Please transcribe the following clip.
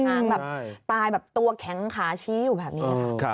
นางแบบตายแบบตัวแข็งขาชี้อยู่แบบนี้ค่ะ